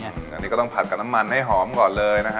อันนี้ก็ต้องผัดกับน้ำมันให้หอมก่อนเลยนะฮะ